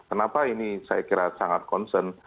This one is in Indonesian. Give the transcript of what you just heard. kenapa ini saya kira sangat concern